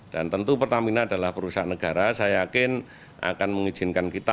dan tentu pertamina adalah perusahaan negara saya yakin akan mengizinkan kita